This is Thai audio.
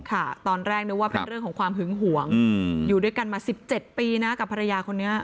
ค่ะตอนแรกนึกว่าเป็นเรื่องของความหึงห่วงอยู่ด้วยกันมา๑๗ปีนะกับภรรยาคนนี้